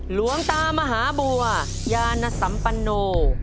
หลวงตามหาบัวยานสัมปโน